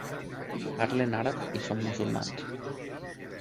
Parlen àrab i són musulmans.